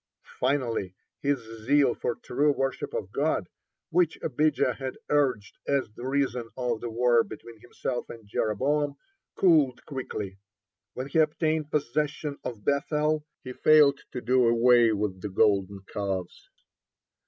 Finally, his zeal for true worship of God, which Abijah had urged as the reason of the war between himself and Jeroboam, cooled quickly. When he obtained possession of Beth el, he failed to do away with the golden calves.